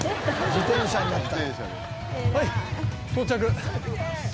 「自転車になった」